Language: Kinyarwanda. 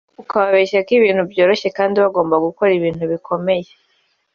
ukababeshya ko ibintu byoroshye kandi bagomba gukora ibintu bikomeye